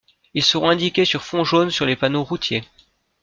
Ils seront indiqués sur fond jaune sur les panneaux routiers.